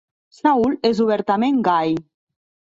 Saül és obertament gai.